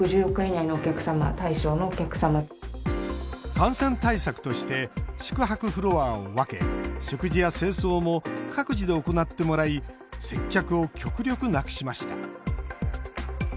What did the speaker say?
感染対策として宿泊フロアを分け食事や清掃も各自で行ってもらい接客を極力なくしました。